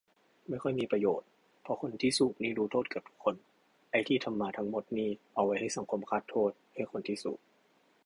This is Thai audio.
ไม่ค่อยมีประโยชน์ เพราะคนที่สูบนี่รู้โทษเกือบทุกคน ไอ้ที่ทำมาทั้งหมดนี่เอาไว้ให้สังคมคาดโทษให้คนที่สูบ